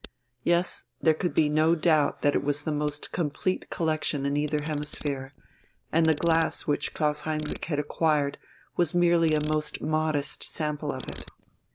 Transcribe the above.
Yes, there could be no doubt that it was the most complete collection in either hemisphere, and the glass which Klaus Heinrich had acquired was merely a most modest sample of it.